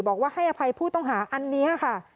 บอกว่าให้อภัยผู้ต้องหาอันนี้ค่ะ